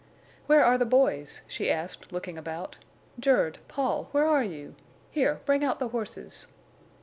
"Where are the boys?" she asked, looking about. "Jerd, Paul, where are you? Here, bring out the horses."